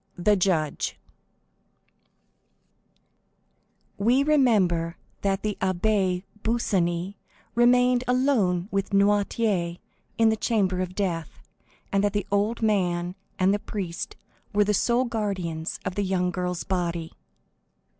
The Judge We remember that the Abbé Busoni remained alone with Noirtier in the chamber of death, and that the old man and the priest were the sole guardians of the young girl's body.